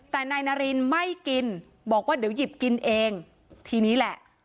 แต่นายนารินไม่กินบอกว่าเดี๋ยวหยิบกินเองทีนี้แหละ